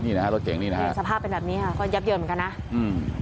นี่นะฮะรถเก่งนี่นะฮะสภาพเป็นแบบนี้ค่ะก็ยับเยินเหมือนกันนะอืม